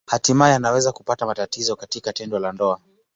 Hatimaye anaweza kupata matatizo katika tendo la ndoa.